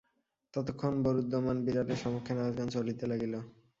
ততক্ষণ রোরুদ্যমান বিড়ালের সমক্ষে নাচগান চলিতে লাগিল।